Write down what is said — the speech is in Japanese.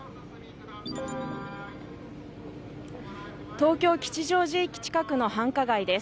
東京・吉祥寺駅近くの繁華街です